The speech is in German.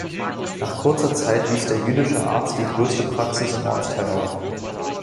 Nach kurzer Zeit wies der jüdische Arzt die größte Praxis im Ortsteil auf.